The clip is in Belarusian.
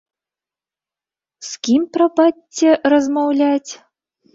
З кім, прабачце, размаўляць?